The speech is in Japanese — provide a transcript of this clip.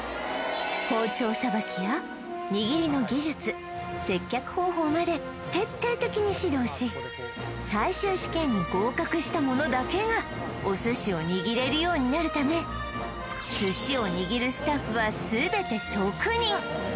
包丁さばきや握りの技術接客方法まで徹底的に指導し最終試験に合格した者だけがお寿司を握れるようになるため寿司を握るスタッフは全て職人